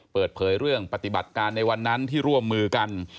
เปิดเผยเรื่องปฏิบัติการในวันนั้นที่ร่วมมือกัน